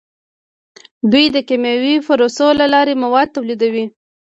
دوی د کیمیاوي پروسو له لارې مواد تولیدوي.